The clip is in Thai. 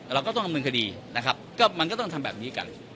เราก็ต้องดำเนินคดีนะครับก็มันก็ต้องทำแบบนี้กัน